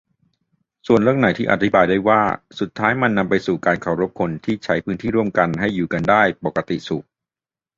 ส่วนเรื่องไหนที่อธิบายได้ว่า สุดท้ายมันนำไปสู่การเคารพคนที่ใช้พื้นที่ร่วมกันให้อยู่กันได้ปกติสุข